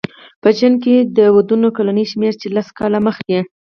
په چین کې د ودونو کلنی شمېر چې لس کاله مخې